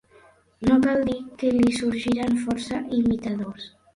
No cal dir que li sorgiren força imitadors.